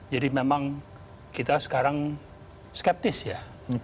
jadi memang kita sekarang skeptis ya